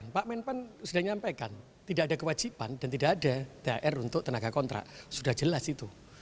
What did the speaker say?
pak menpan sudah menyampaikan tidak ada kewajiban dan tidak ada thr untuk tenaga kontrak sudah jelas itu